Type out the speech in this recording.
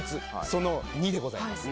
その２でございます